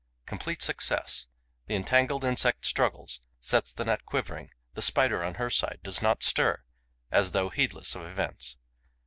Complete success: the entangled insect struggles, sets the net quivering; the Spider, on her side, does not stir, as though heedless of events.